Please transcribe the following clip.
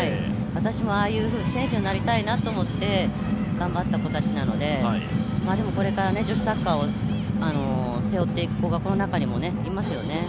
私もああいうふうな選手になりたいなと思って頑張った子たちなのでこれから女子サッカーを背負っていく子がこの中にもいますね。